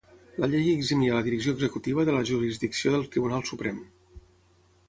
La Llei eximia la Direcció Executiva de la jurisdicció del Tribunal Suprem.